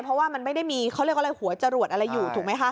เพราะว่ามันไม่ได้มีเขาเรียกอะไรหัวจรวดอะไรอยู่ถูกไหมคะ